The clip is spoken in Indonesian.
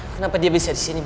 kenapa dia bisa disini mas